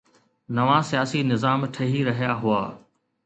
نوان سياسي نظام ٺهي رهيا هئا.